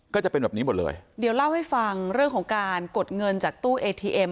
ก็จะเป็นแบบนี้หมดเลยเดี๋ยวเล่าให้ฟังเรื่องของการกดเงินจากตู้เอทีเอ็ม